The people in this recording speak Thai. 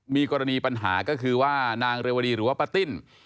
มีกรณีปัญหาก็คือว่านางเรวดีหรือว่าป้าติ้น